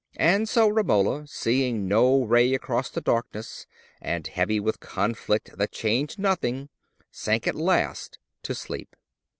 And so Romola, seeing no ray across the darkness, and heavy with conflict that changed nothing, sank at last to sleep.